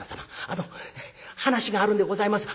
あの話があるんでございます。